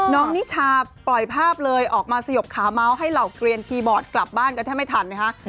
นิชาปล่อยภาพเลยออกมาสยบขาเมาส์ให้เหล่าเกลียนคีย์บอร์ดกลับบ้านกันแทบไม่ทันนะคะ